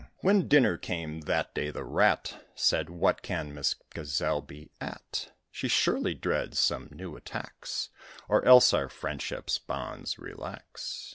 When dinner came that day, the Rat Said, "What can Miss Gazelle be at? She surely dreads some new attacks, Or else our friendship's bonds relax!"